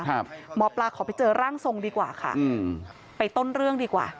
หมอปลาขอไปเจอร่างทรงดีกว่าค่ะอืมไปต้นเรื่องดีกว่า